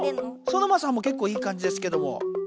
ソノマさんもけっこういい感じですけども。